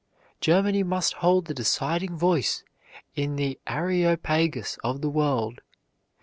Germany must hold the deciding voice in the Areopagus of the world.